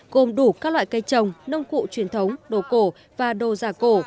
gồm đủ các loại cây trồng nông cụ truyền thống đồ cổ và đồ giả cổ